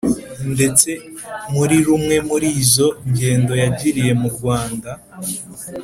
ndetse muri rumwe muri izo ngendo yagiriye mu rwanda,